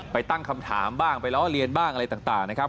ตั้งคำถามบ้างไปล้อเลียนบ้างอะไรต่างนะครับ